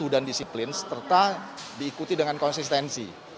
dan disiplin serta diikuti dengan konsistensi